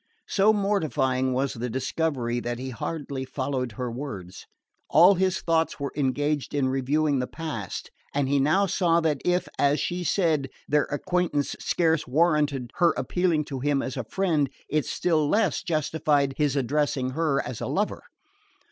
So mortifying was the discovery that he hardly followed her words. All his thoughts were engaged in reviewing the past; and he now saw that if, as she said, their acquaintance scarce warranted her appealing to him as a friend, it still less justified his addressing her as a lover.